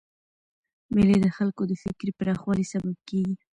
مېلې د خلکو د فکري پراخوالي سبب کېږي.